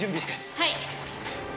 ・はい。